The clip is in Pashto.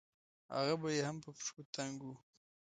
هغه به يې هم په پښو تنګ وو.